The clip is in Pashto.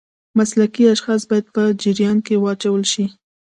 مسلکي اشخاص باید په جریان کې واچول شي.